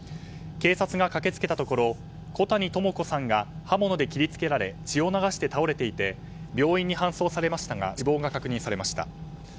警察が駆け付けたところ小谷朋子さんが刃物で切り付けられ血を流して倒れていて病院に搬送されましたが死亡が確認されました。